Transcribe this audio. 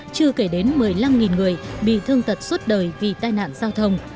chưa kể đến một mươi năm người bị thương tật suốt đời vì tai nạn giao thông